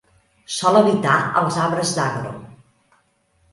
Sol habitar als arbres dagro.